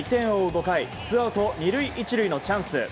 ５回ツーアウト２塁１塁のチャンス。